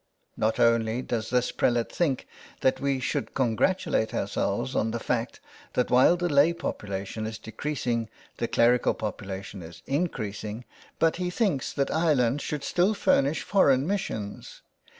.. Not only does this prelate think that we should congratulate ourselves on the fact that while the lay population is decreasing the clerical population is increasing, but he thinks that Ireland should still furnish foreign missions.